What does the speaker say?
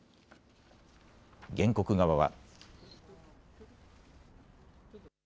原告側は。